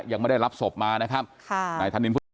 ยังไม่ได้รับศพมานะครับ